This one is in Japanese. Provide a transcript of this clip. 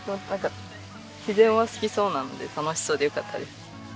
自然は好きそうなので楽しそうでよかったです。